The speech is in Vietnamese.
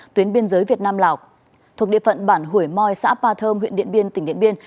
tuyến biên giới việt nam lào thuộc địa phận bản hủy môi xã ba thơm huyện điện biên tỉnh điện biên